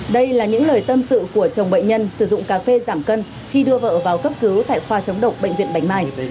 đây là những lời tâm sự của chồng bệnh nhân sử dụng cà phê giảm cân khi đưa vợ vào cấp cứu tại khoa chống độc bệnh viện bạch mai